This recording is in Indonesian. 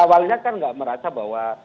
awalnya kan nggak merasa bahwa